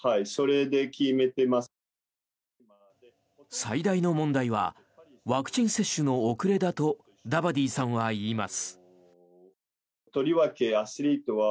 最大の問題はワクチン接種の遅れだとダバディさんは言います。